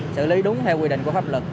xử lý đúng theo quy định của pháp luật